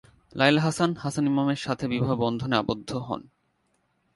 লায়লা হাসান হাসান ইমামের সাথে বিবাহ বন্ধনে আবদ্ধ হন।